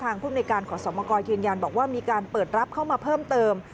ทางผู้อำนวยการขอสมกรณ์กิจยานบอกว่ามีการเปิดรับเข้ามาเพิ่มเติม